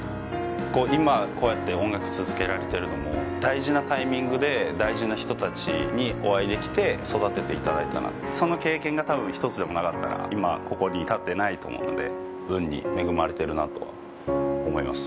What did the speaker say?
今こうやって音楽続けられてるのも大事なタイミングで大事な人達にお会いできて育てていただいたなってその経験が多分一つでもなかったら今ここに立ってないと思うので運に恵まれてるなとは思います